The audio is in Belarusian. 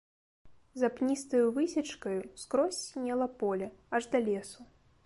За пністаю высечкаю скрозь сінела поле, аж да лесу.